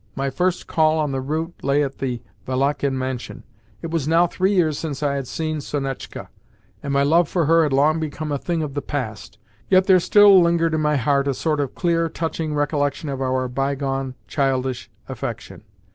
My first call on the route lay at the Valakhin mansion. It was now three years since I had seen Sonetchka, and my love for her had long become a thing of the past, yet there still lingered in my heart a sort of clear, touching recollection of our bygone childish affection.